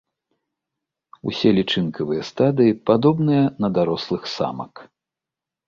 Усе лічынкавыя стадыі падобныя на дарослых самак.